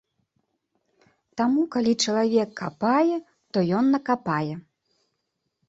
Таму, калі чалавек капае, то ён накапае.